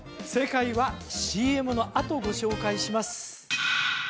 正解はＣＭのあとご紹介します